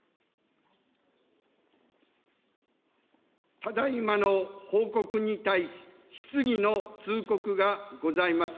ただいまの報告に対し、質疑の通告がございます。